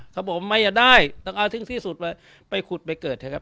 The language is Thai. ครับผมไม่อยากได้ต้องเอาถึงที่สุดไปขุดไปเกิดเถอะครับ